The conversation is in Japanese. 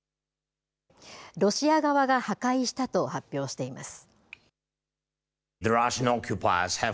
ロシア側が破壊したと発表しています。